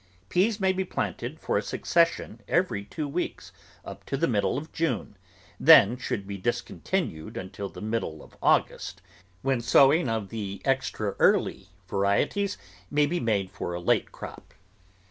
Peas may be planted for a succession every two weeks up to the middle of June, then should be discontinued until the middle of August, when sow ings of the extra early varieties may be made for a late crop.